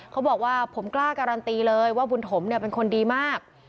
เขาบอกว่าผมกล้าการันตีเลยว่าบุญถมเป็นคนดีมาก